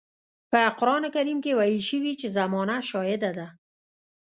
په قرآن کريم کې ويل شوي چې زمانه شاهده ده.